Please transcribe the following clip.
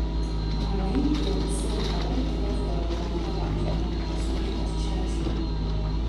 Abayimbi okusooka baali tebaatwalibwa nga bantu ba mugaso naye kati kyakyuka.